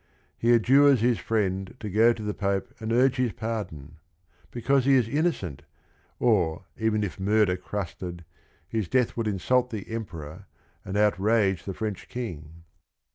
He adjures his friend to go to the Pope and urge his pardon, because he is innocent, or even if "murder crusted," his death would insult the emperor and outrage the French king.